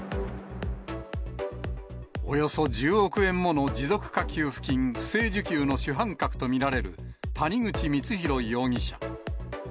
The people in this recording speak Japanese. およそ１０億円もの持続化給付金不正受給の主犯格と見られる谷口光弘容疑者。